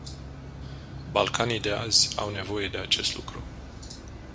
Balcanii de azi au nevoie de acest lucru.